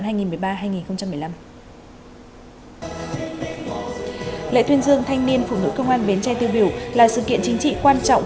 lễ tuyên dương thanh niên phụ nữ công an bến tre tiêu biểu là sự kiện chính trị quan trọng